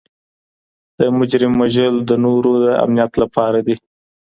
د مجرم وژل د نورو د امنیت لپاره دي.